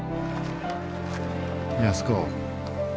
安子。